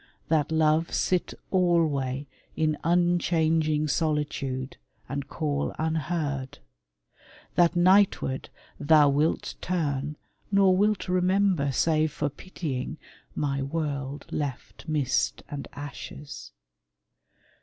that Love Sit alway in unchanging solitude, And call unheard; that nightward thou wilt turn, 58 i 1 TASSO TO LEONORA Nor wilt remember, save for pitying, My world left mist and ashes.